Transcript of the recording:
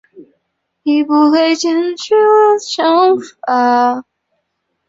其余各人亦被裁定有相关罪行而获刑。